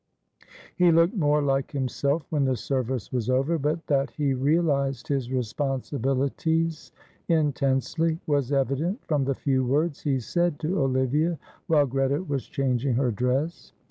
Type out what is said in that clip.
He looked more like himself when the service was over, but that he realised his responsibilities intensely was evident from the few words he said to Olivia while Greta was changing her dress.